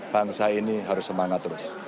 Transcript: bangsa ini harus semangat terus